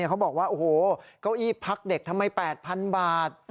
เขาบอกว่าโอ้โหเก้าอี้พักเด็กทำไม๘๐๐๐บาท